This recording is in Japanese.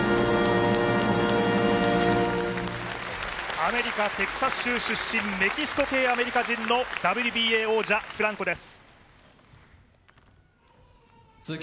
アメリカ・テキサス州出身メキシコ系アメリカ人、ＷＢＡ王者、フランコです。